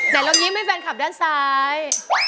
เรายิ้มให้แฟนคลับด้านซ้าย